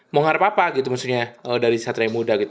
mau ngarap apa gitu maksudnya dari satria muda gitu